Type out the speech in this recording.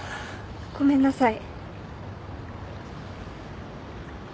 ごめんなさい。